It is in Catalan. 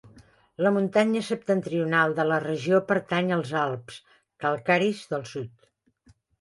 La muntanya septentrional de la regió pertany als Alps calcaris del sud.